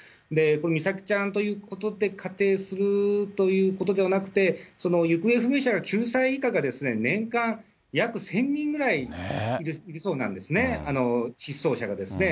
美咲ちゃんということで仮定するということではなくて、行方不明者が９歳以下が年間約１０００人ぐらいいるそうなんですね、失踪者がですね。